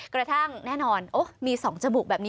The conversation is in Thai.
กระทั่งแน่นอนโอ๊ะมีสองจบุกแบบนี้